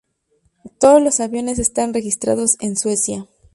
Todos los aviones están registrados en Suecia.